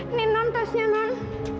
ini non tasnya non